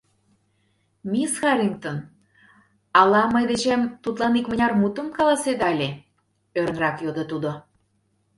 — Мисс Харрингтон, ала мый дечем тудлан икмыняр мутым каласеда ыле? — ӧрынрак йодо тудо.